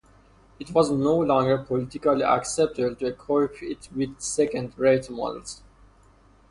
It was no longer politically acceptable to equip it with second-rate models.